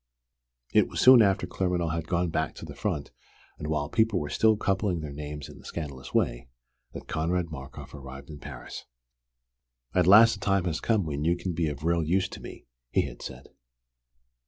It was soon after Claremanagh had gone back to the front, and while people were still coupling their names in a scandalous way, that Konrad Markoff arrived in Paris. "At last the time has come when you can be of real use to me," he had said.